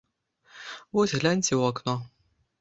Вось гляньце ў акно!